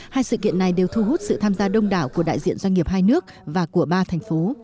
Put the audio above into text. hai sự kiện này đều thu hút sự tham gia đông đảo của đại diện doanh nghiệp hai nước và của ba thành phố